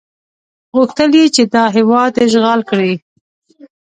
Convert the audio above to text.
غوښتل یې چې دا هېواد اشغال کړي.